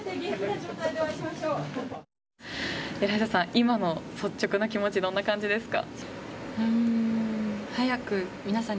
今の率直な気持ちどんな感じですか？